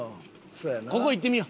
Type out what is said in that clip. ここ行ってみよう。